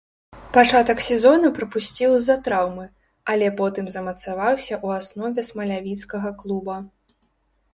Пачатак сезона прапусціў з-за траўмы, але потым замацаваўся ў аснове смалявіцкага клуба.